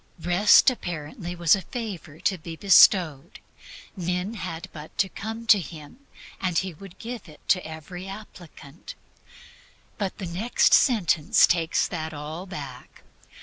Rest, apparently, was a favor to be bestowed; men had but to come to Him; He would give it to every applicant. But the next sentence takes that all back.